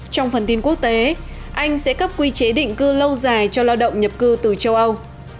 trong phần tin quốc tế anh sẽ cấp quy chế định cư lâu dài cho lao động nhập cư từ châu âu